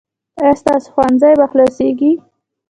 ایا ستاسو ښوونځی به خلاصیږي؟